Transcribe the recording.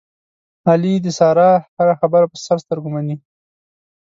علي د سارې هره خبره په سر سترګو مني.